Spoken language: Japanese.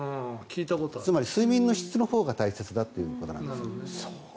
つまり、睡眠の質のほうが大切だということです。